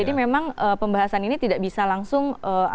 jadi memang pembahasan ini tidak bisa langsung